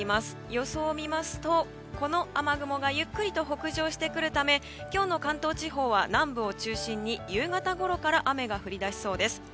予想を見ますと、この雨雲がゆっくりと北上してくるため今日の関東地方は南部を中心に夕方ごろから雨が降り出しそうです。